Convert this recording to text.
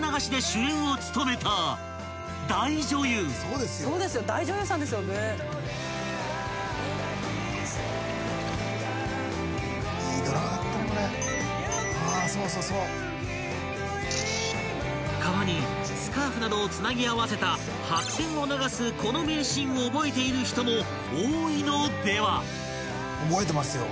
『空も飛べるはず』［川にスカーフなどをつなぎ合わせた白線を流すこの名シーンを覚えている人も多いのでは？］